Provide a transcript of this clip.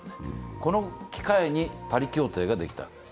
この機会にパリ協定ができたんです。